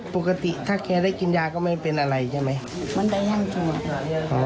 ปกติถ้าแค่ได้กินยาก็ไม่เป็นอะไรใช่ไหมมันได้ย่างจวด